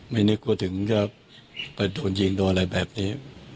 นึกว่าถึงจะไปโดนยิงโดนอะไรแบบนี้